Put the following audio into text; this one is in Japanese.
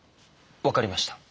分かりました。